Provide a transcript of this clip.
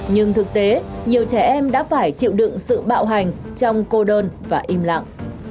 nhưng thực tế nhiều trẻ em đã phải chịu đựng sự bạo hành trong cô đơn và im lặng